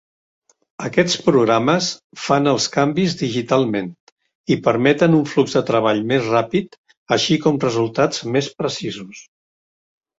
Aquests programes fan els canvis digitalment, i permeten un flux de treball més ràpid, així com resultats més precisos.